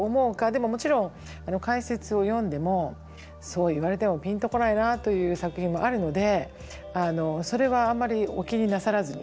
でももちろん解説を読んでも「そう言われてもピンと来ないな」という作品もあるのでそれはあまりお気になさらずに。